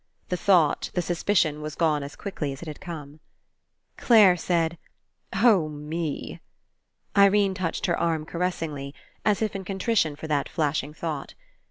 The thought, the suspicion, was gone as quickly as it had come. Clare said: '*0h, me!" / Irene touched her arm caressingly, as if in contrition for that flashing thought.